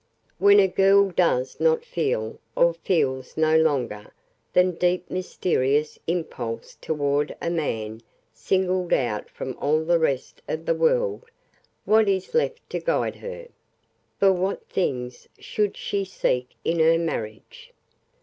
When a girl does not feel, or feels no longer, that deep mysterious impulse toward a man singled out from all the rest of the world, what is left to guide her? For what things should she seek in her marriage?